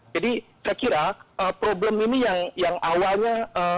jadi saya kira problem ini yang awalnya